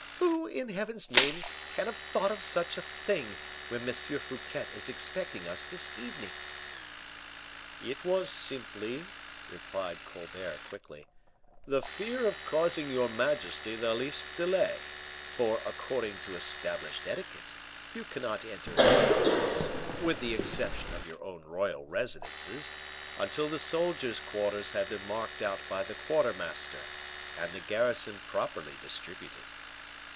Who, in Heaven's name, can have thought of such a thing, when M. Fouquet is expecting us this evening?" "It was simply," replied Colbert, quickly, "the fear of causing your majesty the least delay; for, according to established etiquette, you cannot enter any place, with the exception of your own royal residences, until the soldiers' quarters have been marked out by the quartermaster, and the garrison properly distributed."